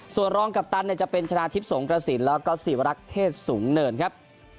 ส่วนรองกัปตันจะเป็นชนะทิพย์สงกระสินแล้วก็ศิวรักษ์เทศสูงเนินครับ